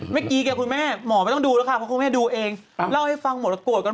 เมื่อกี้คุณแม่หมอไม่ต้องดูแล้วค่ะเน่าให้ดูเองเล่าให้ฟังหมดกรดก่อน